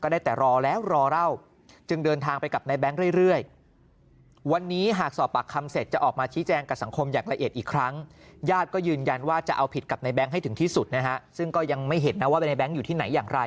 ซึ่งก็ยังไม่เห็นนะว่าในในย์แบงค์อยู่ที่ไหนอย่างไร